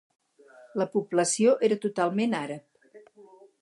La població era totalment àrab.